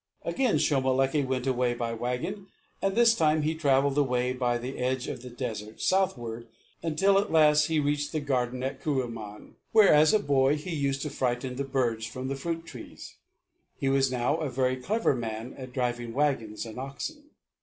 Again Shomolekae went away by wagon, and this time he travelled away by the edge of the desert southward until at last he reached the garden at Kuruman where as a boy he used to frighten the birds from the fruit trees. He was now a very clever man at driving wagons and oxen.